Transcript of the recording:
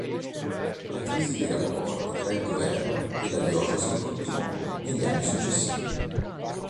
La crisi dei rapporti tra il governo e la diocesi continuò negli anni successivi.